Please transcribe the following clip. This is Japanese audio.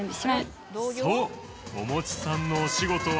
そうおもちさんのお仕事は。